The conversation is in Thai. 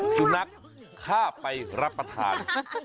สุนัขข้าไปรับประทาน